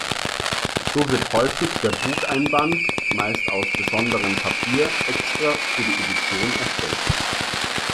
So wird häufig der Bucheinband, meist aus besonderem Papier, extra für die Edition erstellt.